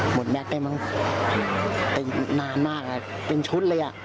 หมดแม็กซ์ได้นานมากเป็นชุดเลย